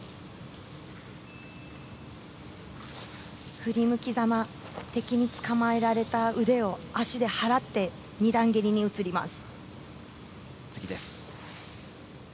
振り向きざま敵につかまれた足を払って２段蹴りに移ります。